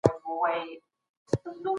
پخلاینه د زړونو کینه له منځه وړي.